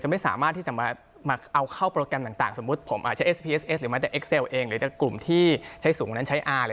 ไม่สามารถที่จะเอาเข้าไปใช้ได้